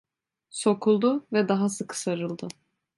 Sokuldu ve daha sıkı sarıldı.